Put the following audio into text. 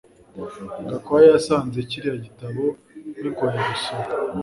Gakwaya yasanze kiriya gitabo bigoye gusoma.